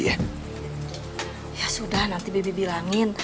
ya sudah nanti bibi bilangin